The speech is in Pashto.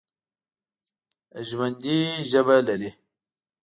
ژوندي ژبه لري